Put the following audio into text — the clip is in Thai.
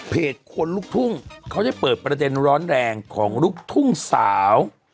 คนลุกทุ่งเขาได้เปิดประเด็นร้อนแรงของลูกทุ่งสาว